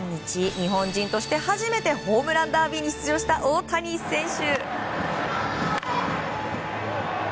日本人として初めてホームランダービーに出場した大谷選手。